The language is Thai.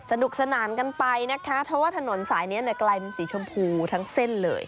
สนุกสนานกันไปนะคะเพราะว่าถนนสายนี้เนี่ยกลายเป็นสีชมพูทั้งเส้นเลย